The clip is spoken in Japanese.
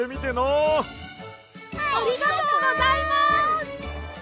ありがとうございます！